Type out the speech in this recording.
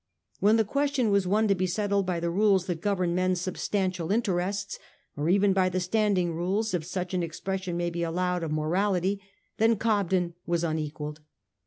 When the question was one to be settled by the rules that govern man's substantial interests, or even by the standing rules, if such an expression may be allowed, of morality, then Cobden was unequalled.